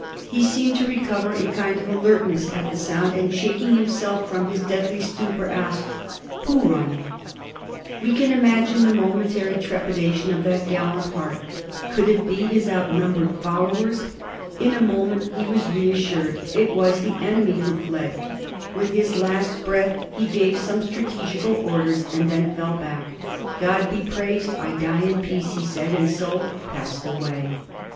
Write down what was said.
He seemed to recover a kind of alertness at the sound, and shaking himself from his deadly stupor, asked, " Who run ?" We can imagine the momentary trepidation in that gallant heart : could it be his outnumbered followers? In a moment he was reas sured; it was the enemy who fled; with his last breath he gave some strategical orders, and then fell back. '' God be praised, I die in peace," he said, and so passed away.